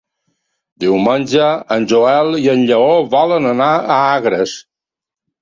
Diumenge en Joel i en Lleó volen anar a Agres.